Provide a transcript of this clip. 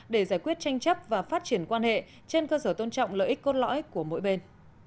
để giải quyết tranh chấp và phát triển quan hệ trên cơ sở tôn trọng lợi ích cốt lõi của mỗi bên